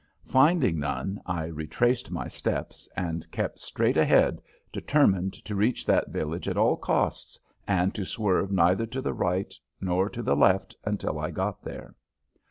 Finding none, I retraced my steps and kept straight ahead, determined to reach that village at all costs and to swerve neither to the right nor to the left until I got there.